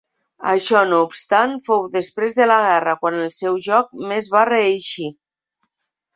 Això no obstant, fou després de la guerra quan el seu joc més va reeixir.